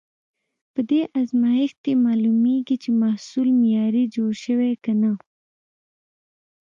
په دې ازمېښت کې معلومېږي، چې محصول معیاري جوړ شوی که نه.